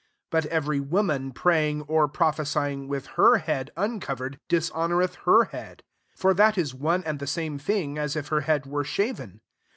5 But every woman, praying or pro phesying with her head uncov ered, dishonoureth^ her head: . for that is one and the same thing as if her head were shaven.